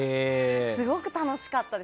すごく楽しかったです。